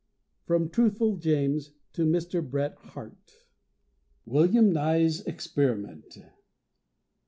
From Truthful James to Mr. Bret Harte. WILLIAM NYE'S EXPERIMENT.